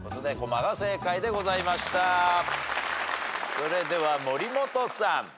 それでは森本さん。